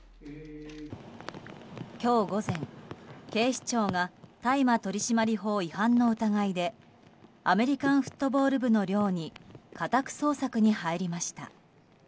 今日午前、警視庁が大麻取締法違反の疑いでアメリカンフットボール部の寮に家宅捜索に入りました。